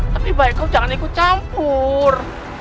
tapi baik kau jangan ikut campur